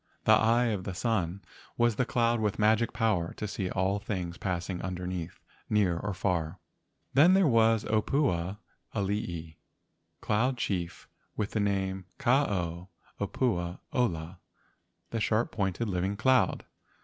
"The Eye of the Sun" was the cloud with magic power to see all things passing under¬ neath near or far. Then there was the opua alii, cloud chief with the name Ka ao opua ola (the sharp pointed living cloud).